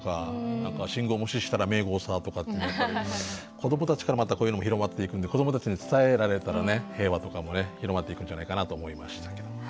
「信号無視したらメーゴーサー」とかっていうのやっぱり子どもたちからまたこういうのも広まっていくんで子どもたちに伝えられたらね平和とかもね広まっていくんじゃないかなと思いましたけど。